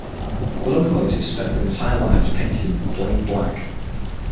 The locomotives spent their entire lives painted in plain black.